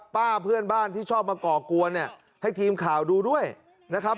เพื่อนบ้านที่ชอบมาก่อกวนเนี่ยให้ทีมข่าวดูด้วยนะครับ